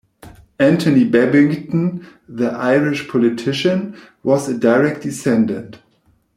Anthony Babington, the Irish politician was a direct descendant.